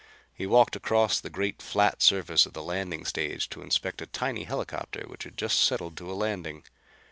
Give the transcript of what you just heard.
He walked across the great flat surface of the landing stage to inspect a tiny helicopter which had just settled to a landing.